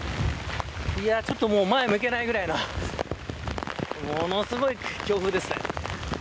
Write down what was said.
もう前も向けないぐらいのものすごい強風ですね。